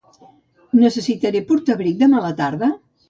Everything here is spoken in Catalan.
Necessitaré portar abric demà a la tarda?